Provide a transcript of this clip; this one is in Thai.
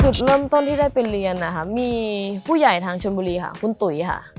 จุดเริ่มต้นที่ได้ไปเรียนนะคะมีผู้ใหญ่ทางชนบุรีค่ะคุณตุ๋ยค่ะ